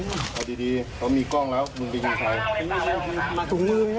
อื้อพ่อโบร์ดีเพราะมีกล้องแล้วมึงไปยิงใคร